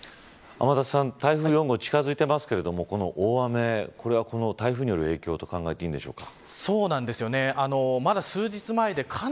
天達さん、台風４号近づいていますけれどもこの大雨、これは台風による影響と考えていんでしょうか。